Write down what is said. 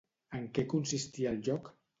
En què consistia el lloc?